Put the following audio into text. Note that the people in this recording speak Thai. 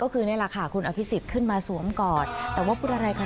คือคุณอภิษฏมันสวมเกาะ